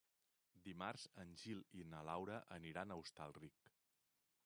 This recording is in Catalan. Dimarts en Gil i na Laura aniran a Hostalric.